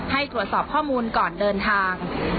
ให้ตรวจสอบข้อมูลก่อนเดินทาง